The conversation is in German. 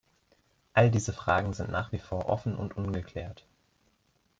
All diese Fragen sind nach wie vor offen und ungeklärt.